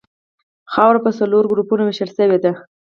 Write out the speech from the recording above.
خاوره په څلورو ګروپونو ویشل شوې ده